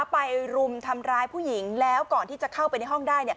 รุมทำร้ายผู้หญิงแล้วก่อนที่จะเข้าไปในห้องได้